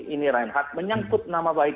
ini reinhardt menyangkut nama baik